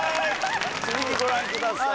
続きご覧ください。